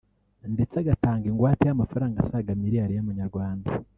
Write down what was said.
ndetse agatanga ingwate y’amafaranga asaga miliyari y’amanyarwanda